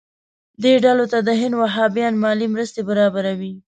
دې ډلې ته د هند وهابیان مالي مرستې برابروي.